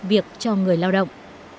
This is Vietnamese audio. việc cho người lao động